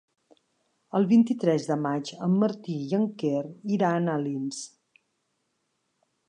El vint-i-tres de maig en Martí i en Quer iran a Alins.